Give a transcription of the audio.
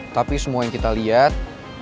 tapi semua yang kita lihat